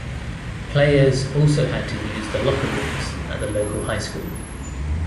Players also had to use the locker rooms at the local high school.